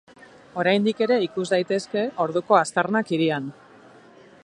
Oraindik ere ikus daitezke orduko aztarnak hirian.